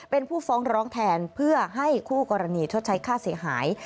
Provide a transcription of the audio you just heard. เป็นผู้ฟ้องร้องแทนเพื่อให้คู่กรณีชดใช้ค่าเสียหาย